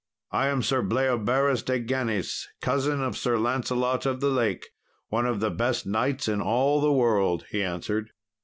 "I am Sir Bleoberis de Ganis, cousin of Sir Lancelot of the Lake, one of the best knights in all the world," he answered.